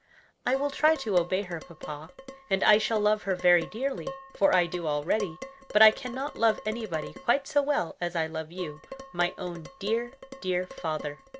"I will try to obey her, papa; and I shall love her very dearly, for I do already; but I can not love anybody quite so well as I love you, my own dear, dear father!"